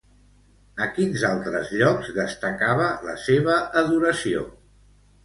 A quins altres llocs destacava la seva adoració?